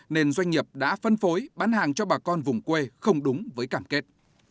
nên doanh nghiệp đã phân phối bán hàng cho bà con vùng quê không đúng với cảm kết